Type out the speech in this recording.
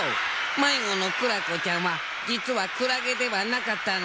まいごのクラコちゃんはじつはクラゲではなかったのです。